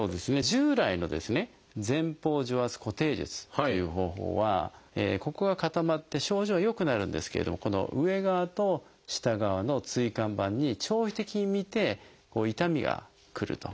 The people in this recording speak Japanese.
従来のですね前方除圧固定術という方法はここが固まって症状は良くなるんですけれどもこの上側と下側の椎間板に長期的に見て痛みがくると。